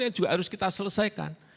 yang juga harus kita selesaikan